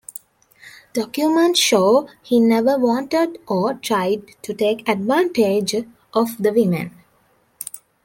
Documents show he never wanted to or tried to take advantage of the woman.